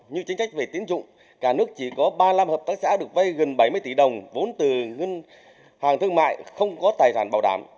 như chính sách về tiến trụng cả nước chỉ có ba mươi năm hợp tác xã được vây gần bảy mươi tỷ đồng vốn từ ngân hàng thương mại không có tài toàn bảo đảm